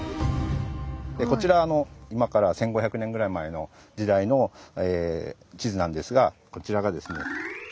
こちら今から１，５００年ぐらい前の時代の地図なんですがこちらがですね